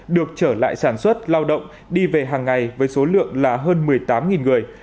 được trở lại sản xuất lao động đi về hàng ngày với số lượng là hơn một mươi tám người